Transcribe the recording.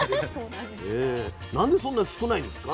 なんでそんな少ないんですか？